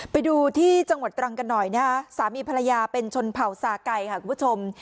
ไปดูที่จังหวัดตรังกันหน่อยนะฮะสามีภรรยาเป็นชนเผ่าสาไก่ค่ะคุณผู้ชม